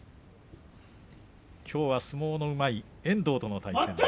きょうは相撲がうまい遠藤との対戦。